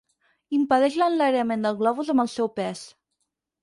Impedeix l'enlairament del globus amb el seu pes.